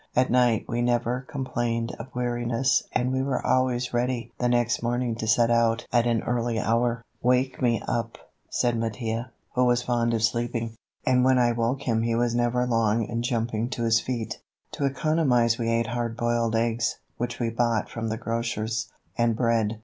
At night we never complained of weariness and we were always ready the next morning to set out at an early hour. "Wake me up," said Mattia, who was fond of sleeping. And when I woke him he was never long in jumping to his feet. To economize we ate hard boiled eggs, which we bought from the grocers, and bread.